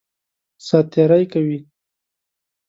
سات تېری کوي.